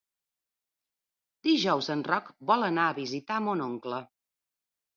Dijous en Roc vol anar a visitar mon oncle.